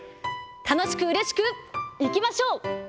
楽しく、うれしく、いきましょう。